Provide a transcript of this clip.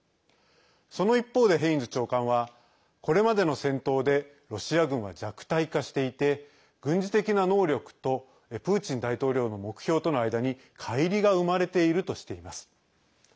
その一方でヘインズ長官はこれまでの戦闘でロシア軍は弱体化していて軍事的な能力の間にかい離が生まれているとしています。